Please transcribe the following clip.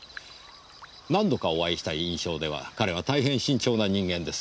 何度かお会いした印象では彼は大変慎重な人間です。